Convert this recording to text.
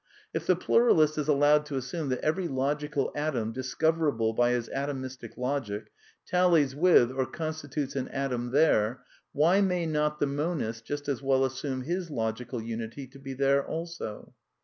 Mif the pluralist is allowed to assume that every logical latom discoverable by his atomistic logic tallies with or Iconstitutes an atom there, why may not the monist just as Well assume his logical unity to be there also